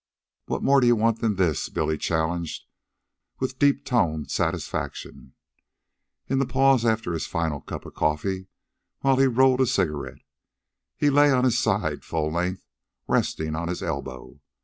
"What more d'ye want than this?" Billy challenged with deep toned satisfaction, in the pause after his final cup of coffee, while he rolled a cigarette. He lay on his side, full length, resting on his elbow.